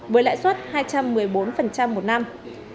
với lãi suất hai trăm một mươi bốn một năm